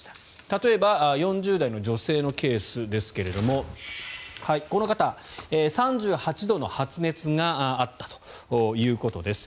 例えば４０代の女性のケースですがこの方、３８度の発熱があったということです。